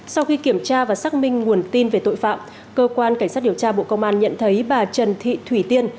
sau khi kiểm tra và xác minh nguồn tin về tội phạm cơ quan cảnh sát điều tra bộ công an nhận thấy bà trần thị thủy tiên